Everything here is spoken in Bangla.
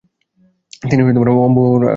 তিনি অম্বুবাবুর আখড়ায় ভর্তি হন।